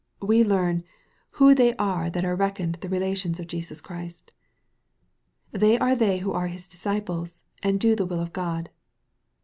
We learn, who they are that are reckoned the relations of Jesus Christ. They are they who are His disciples, and " do the will of God."